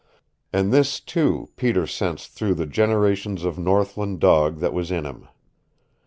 And this, too, Peter sensed through the generations of northland dog that was in him.